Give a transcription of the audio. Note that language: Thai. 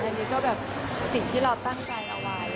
อันนี้ก็แบบสิ่งที่เราตั้งใจเอาไว้